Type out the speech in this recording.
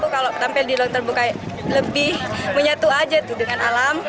kalau tampil di ruang terbuka lebih menyatu aja dengan alam